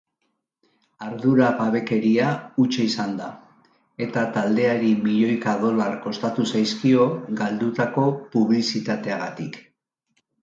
Arduragabekeria hutsa izan da, eta taldeari milioika dolar kostatu zaizkio galdutako publizitateagatik.